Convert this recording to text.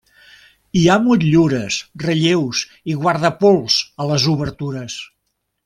Hi ha motllures, relleus i guardapols a les obertures.